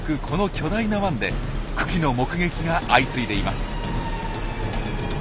この巨大な湾で群来の目撃が相次いでいます。